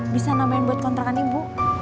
bisa nambahin buat kontrakan ibu